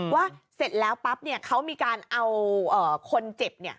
เสร็จแล้วปั๊บเขามีการเอาคนเจ็บ